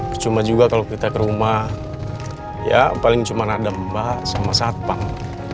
percuma juga kalau kita ke rumah ya paling cuma ada mbak sama satpang